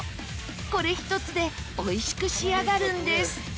これ１つでおいしく仕上がるんです。